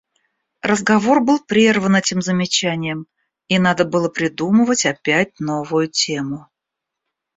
Разговор был прерван этим замечанием, и надо было придумывать опять новую тему.